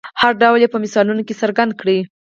هر ډول یې په مثالونو کې څرګند کړئ.